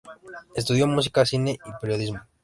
Estudió música, cine y periodismo.